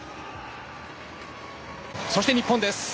そして日本です。